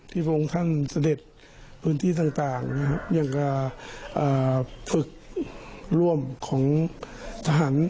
ที่ชงท่านเสด็จวื้อนที่ต่างอย่างการฝึกร่วมของทหาร